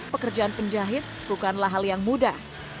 pekerjaan penjahit bukanlah hal yang mudah